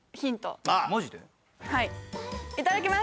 いただきます！